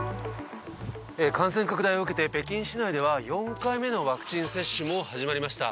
感染拡大を受けて北京市内では４回目のワクチン接種も始まりました。